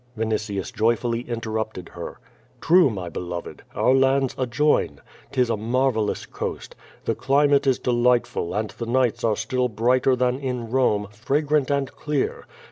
Vinitius joyfully interrupted her. "True, luy beloved. Our lands adjoin. 'Tis a marvel lous coast. The climate is delightful, and the nights are still brighter than in Rome, fragrant and clear.